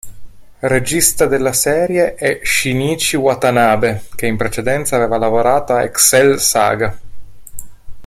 Regista della serie è Shinichi Watanabe, che in precedenza aveva lavorato a "Excel Saga".